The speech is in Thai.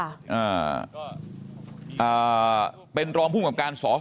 อ่าเป็นรองผู้กำกาล